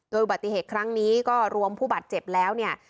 โดยอุบัติเหตุครั้งนี้ก็รวมผู้บาดเจ็บแล้วเนี่ย